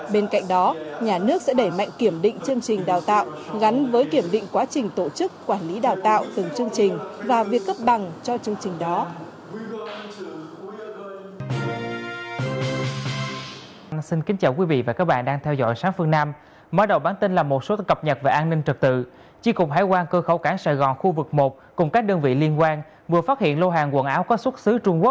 bên cạnh đó nhà nước sẽ đẩy mạnh kiểm định chương trình đào tạo gắn với kiểm định quá trình tổ chức quản lý đào tạo từng chương trình và việc cấp bằng cho chương trình đó